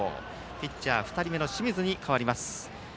ピッチャーは２人目の清水に代わります。